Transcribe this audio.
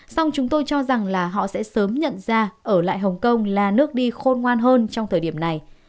xong chúng tôi cho rằng là họ sẽ sớm nhận ra ở lại hồng kông là nước đi khôn ngoan hơn trong thời điểm này